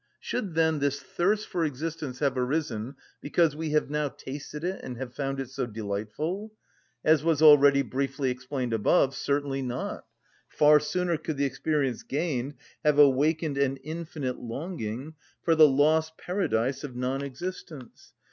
Should, then, this thirst for existence have arisen because we have now tasted it and have found it so delightful? As was already briefly explained above, certainly not; far sooner could the experience gained have awakened an infinite longing for the lost paradise of non‐existence.